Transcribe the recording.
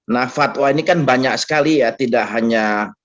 nah fatwa ini kan banyak sekali ya tidak hanya